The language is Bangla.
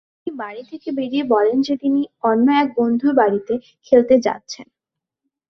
পরে তিনি বাড়ি থেকে বেরিয়ে বলেন যে তিনি অন্য এক বন্ধুর বাড়িতে খেলতে যাচ্ছেন।